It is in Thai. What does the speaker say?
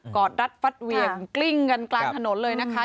อดรัดฟัดเหวี่ยงกลิ้งกันกลางถนนเลยนะคะ